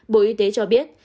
bộ y tế cho biết